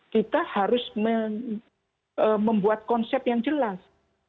kita harus membuat konsep yang jelas